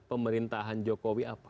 pemerintahan jokowi apa